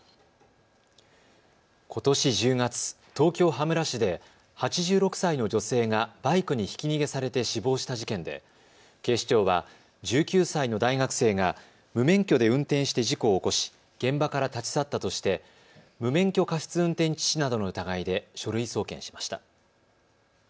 ことし１０月、東京羽村市で８６歳の女性がバイクにひき逃げされて死亡した事件で警視庁は１９歳の大学生が無免許で運転して事故を起こし現場から立ち去ったとして無免許過失運転致死などの疑いで書類送検しました。